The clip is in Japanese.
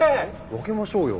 分けましょうよ。